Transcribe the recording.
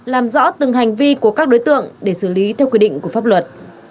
làm rõ từng hành vi của các đối tượng để xử lý theo quy định của pháp luật